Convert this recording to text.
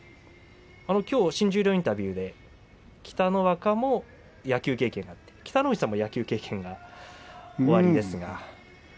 きょう新十両インタビューで北の若も野球経験があって北の富士さんも野球経験があって。